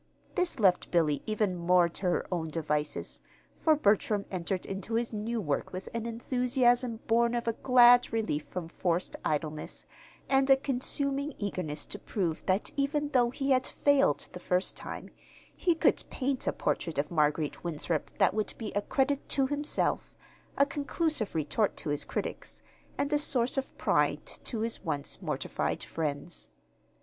This left Billy even more to her own devices, for Bertram entered into his new work with an enthusiasm born of a glad relief from forced idleness, and a consuming eagerness to prove that even though he had failed the first time, he could paint a portrait of Marguerite Winthrop that would be a credit to himself, a conclusive retort to his critics, and a source of pride to his once mortified friends.